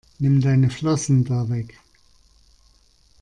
Nimm deine Flossen da weg!